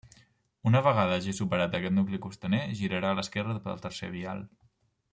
Una vegada hagi superat aquest nucli costaner, girarà a l'esquerra pel tercer vial.